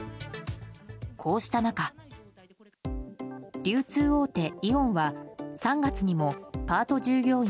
こうした中、流通大手イオンは３月にもパート従業員